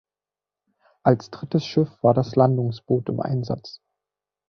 Als drittes Schiff war das Landungsboot im Einsatz.